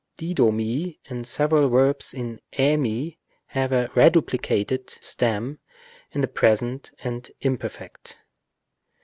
δίδωμι and several verbs in yue have a reduplicated stem in the present and imperfect.